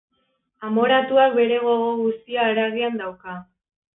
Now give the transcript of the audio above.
Amoratuak bere gogo guztia haragian dauka.